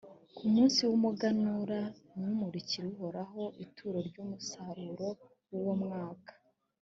ku munsi w’umuganura, nimumurikira uhoraho ituro ry’umusaruro w’uwo mwaka